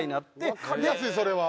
わかりやすいそれは。